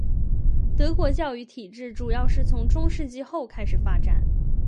德国教育体制主要是从中世纪后开始发展。